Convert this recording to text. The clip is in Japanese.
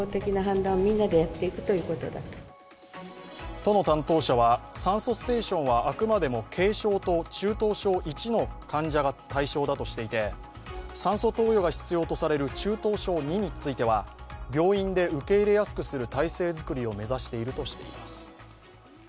都の担当者は酸素ステーションはあくまでも軽症と中等症Ⅰの患者が対象だとしていて酸素投与が必要とされる中等症Ⅱについては病院で受け入れやすくする体制づくりを目指しているとしています。